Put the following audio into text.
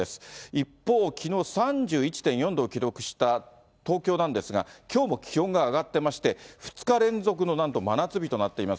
一方、きのう３１．４度を記録した東京なんですが、きょうも気温が上がってまして、２日連続のなんと真夏日となっています。